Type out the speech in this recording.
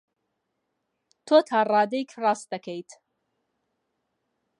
تۆ تا ڕادەیەک ڕاست دەکەیت.